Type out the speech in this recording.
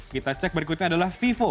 kita cek berikutnya adalah vivo